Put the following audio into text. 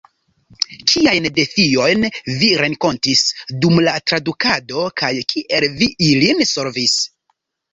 Kiajn defiojn vi renkontis dum la tradukado, kaj kiel vi ilin solvis?